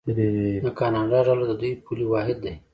د کاناډا ډالر د دوی پولي واحد دی.